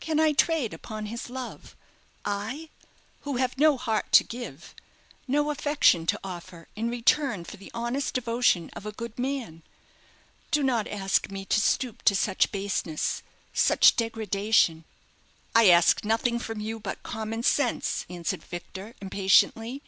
Can I trade upon his love? I who have no heart to give, no affection to offer in return for the honest devotion of a good man? Do not ask me to stoop to such baseness such degradation." "I ask nothing from you but common sense," answered Victor impatiently.